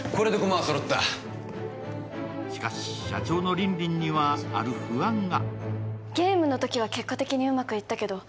しかし、社長の凜々にはある不安が。